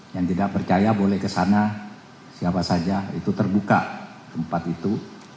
yang tidak percaya boleh ke sana siapa saja itu terbuka tempat itu